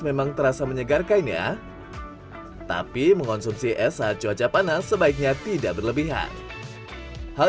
memang terasa menyegarkan ya tapi mengonsumsi es saat cuaca panas sebaiknya tidak berlebihan hal